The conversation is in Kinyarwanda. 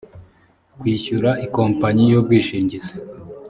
kwishyura ikompanyi y’ubwishingizi